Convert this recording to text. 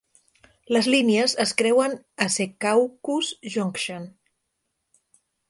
Les línies es creuen a Secaucus Junction.